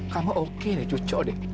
kamu oke deh cucok deh